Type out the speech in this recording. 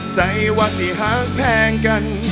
ใส่ว่าสิห้างแพงกัน